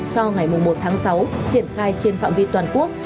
cho ngày một tháng sáu triển khai trên phạm vi toàn quốc